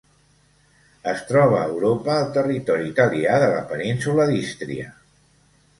Es troba a Europa: el territori italià de la península d'Ístria.